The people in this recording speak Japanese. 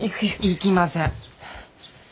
いきません。